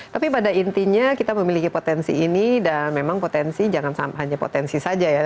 tapi pada intinya kita memiliki potensi ini dan memang potensi jangan hanya potensi saja ya